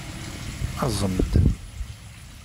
Aẓem-d!